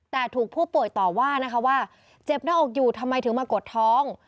แต่ถูกผู้ป่วยต่อว่านะคะว่าเจ็บหน้าอกอยู่ทำไมถึงมากดท้อง